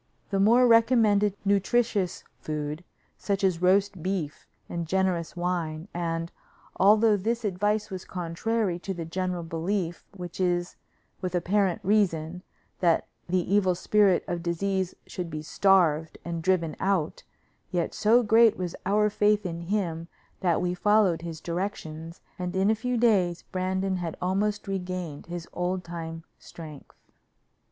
The Moor recommended nutritious food, such as roast beef and generous wine, and, although this advice was contrary to the general belief, which is, with apparent reason, that the evil spirit of disease should be starved and driven out, yet so great was our faith in him that we followed his directions, and in a few days Brandon had almost regained his old time strength.